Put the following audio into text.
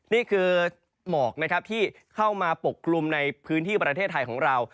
นี่คือหมอกนะครับที่เข้ามาปกกลุ่มในพื้นที่ประเทศไทยของเรา